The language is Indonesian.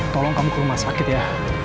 tolong kamu ke rumah sakit ya